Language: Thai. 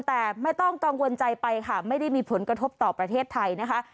แต่ไม่ต้องกังวลใจไปค่ะไม่ได้มีผลกระทบต่อประเทศไทยนะคะ